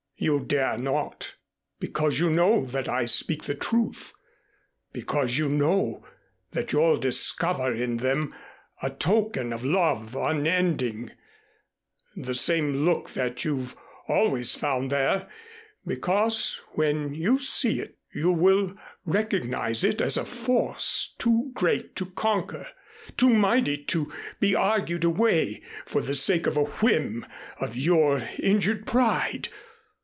You dare not, because you know that I speak the truth, because you know that you'll discover in them a token of love unending the same look that you've always found there, because when you see it you will recognize it as a force too great to conquer too mighty to be argued away for the sake of a whim of your injured pride.